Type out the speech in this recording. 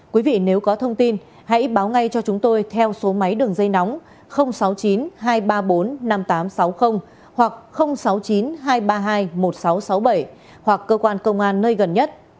quý vị nếu có thông tin hãy báo ngay cho chúng tôi theo số máy đường dây nóng sáu mươi chín hai trăm ba mươi bốn năm nghìn tám trăm sáu mươi hoặc sáu mươi chín hai trăm ba mươi hai một nghìn sáu trăm sáu mươi bảy hoặc cơ quan công an nơi gần nhất